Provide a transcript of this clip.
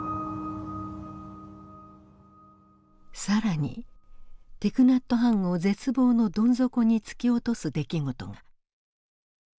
更にティク・ナット・ハンを絶望のどん底に突き落とす出来事が。